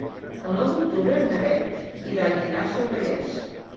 El nou d'octubre na Bet irà a Llinars del Vallès.